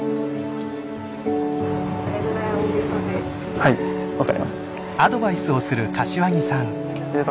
はい分かりました。